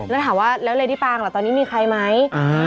แล้วถามว่าแล้วเรดี้ปางล่ะตอนนี้มีใครไหม